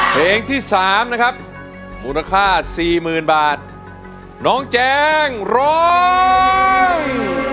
เพลงที่สามนะครับมูลค่าสี่หมื่นบาทน้องแจงร้อง